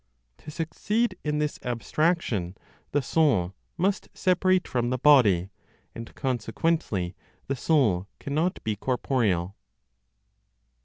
To succeed in this abstraction, the soul must separate from the body, and consequently, the soul cannot be corporeal.